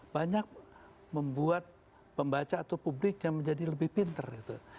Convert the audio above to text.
banyak membuat pembaca atau publiknya menjadi lebih pinter gitu